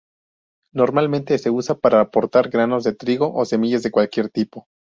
Normalmente se usa para portar granos de trigo o semillas de cualquier tipo.